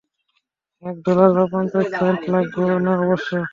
এক ডলার বা পঞ্চাশ সেন্ট লাগবে না অবশ্য।